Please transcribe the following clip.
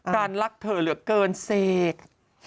รักเธอเหลือเกินเสก